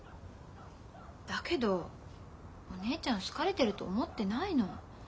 だけどお姉ちゃん好かれてると思ってないの。